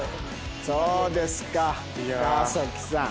そうですか川崎さん。